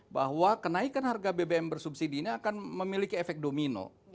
bahwa kenaikan harga bbm bersubsidinya akan memiliki efek domino